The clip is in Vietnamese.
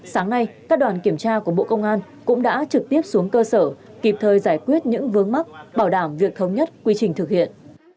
sáng nay các đoàn kiểm tra của bộ công an cũng đã trực tiếp xuống cơ sở kịp thời giải quyết những vướng mắt bảo đảm việc thống nhất quy trình thực hiện